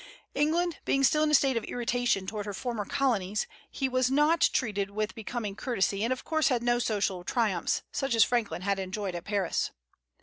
England being still in a state of irritation toward her former colonies, he was not treated with becoming courtesy, and of course had no social triumphs such as Franklin had enjoyed at Paris.